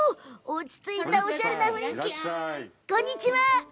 こんにちは。